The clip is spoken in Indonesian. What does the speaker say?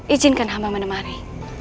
ijinkan hamba menemani